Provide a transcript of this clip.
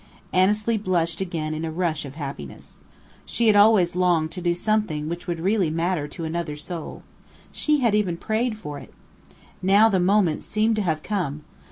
Annesley blushed again in a rush of happiness. She had always longed to do something which would really matter to another soul. She had even prayed for it. Now the moment seemed to have come.